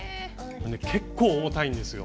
結構重たいんですよ。